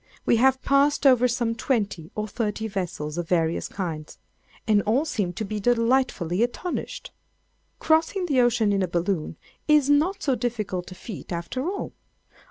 We have passed over some twenty or thirty vessels of various kinds, and all seem to be delightfully astonished. Crossing the ocean in a balloon is not so difficult a feat after all.